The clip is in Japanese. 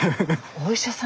お医者さん。